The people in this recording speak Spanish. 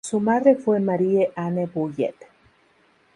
Su madre fue Marie-Anne Bullet.